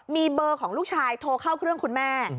มีเบอร์ของลูกชายโทรเข้าเครื่องคุณแม่